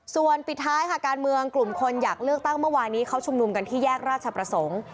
ส่วนปิดท้ายค่ะการเมืองกลุ่มคนอยากเลือกตั้งเมื่อวานนี้เขาชุมนุมกันที่แยกราชประสงค์